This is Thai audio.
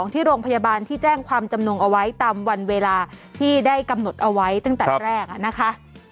ที่โรงพยาบาลที่แจ้งความจำนงเอาไว้ตามวันเวลาที่ได้กำหนดเอาไว้ตั้งแต่แรกนะคะ